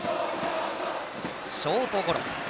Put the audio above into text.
ショートゴロ。